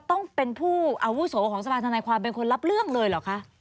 ต้องเป็นผู้อาวุโสของสภาธนายความเป็นคนรับเรื่องเลยเหรอคะ